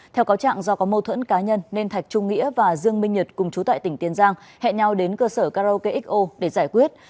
theo cáo trạng do có mâu thuẫn cá nhân nên thạch trung nghĩa và dương minh nhật cùng chú tại tỉnh tiền giang hẹn nhau đến cơ sở karaoke xo để giải quyết